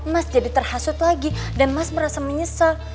mas jadi terhasut lagi dan mas merasa menyesal